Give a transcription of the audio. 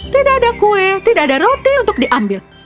tidak ada kue tidak ada roti untuk diambil